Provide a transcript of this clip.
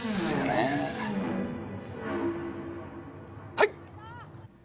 はい！